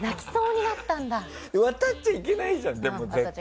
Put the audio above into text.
でも、渡っちゃいけないじゃない。